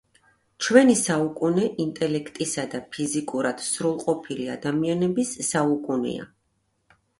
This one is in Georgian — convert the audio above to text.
ჩვენი საუკუნე ინტელექტისა და ფიზიკურად სრულყოფილი ადამიანების საუკუნეა.